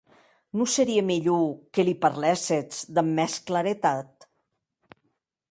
Non serie mielhor que li parléssetz damb mès claretat?